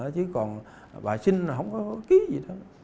chứ còn bà sinh là không có ký gì hết